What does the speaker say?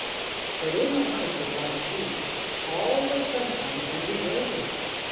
But in the house of Ly Chee all was sunshine and rejoicing.